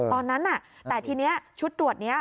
ตอนนั้นแต่ทีนี้ชุดตรวจนี้